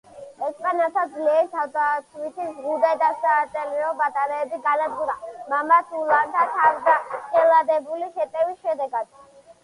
ესპანელთა ძლიერი თავდაცვითი ზღუდე და საარტილერიო ბატარეები განადგურდა მამაც ულანთა თავზეხელაღებული შეტევის შედეგად.